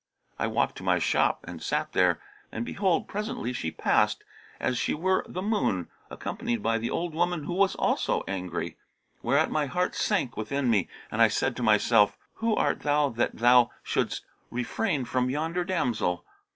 I walked to my shop and sat there; and behold, presently she passed, as she were the moon, accompanied by the old woman who was also angry; whereat my heart sank within me and I said to myself, 'Who art thou that thou shouldst refrain from yonder damsel?